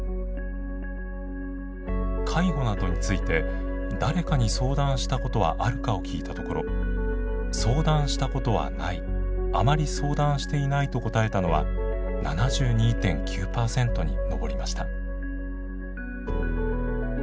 介護などについて「誰かに相談したことはあるか」を聞いたところ「相談したことはない」「あまり相談していない」と答えたのは７２．９％に上りました。